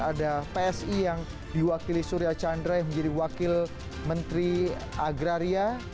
ada psi yang diwakili surya chandra yang menjadi wakil menteri agraria